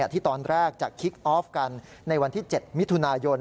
ที่ตอนแรกจะคิกออฟกันในวันที่๗มิถุนายน